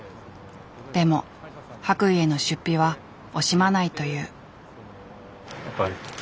でも白衣への出費は惜しまないという。